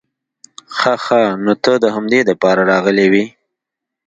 خه خه نو ته د همدې د پاره راغلې وې؟